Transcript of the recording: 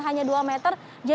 hanya dua meter